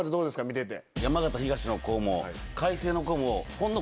見てて。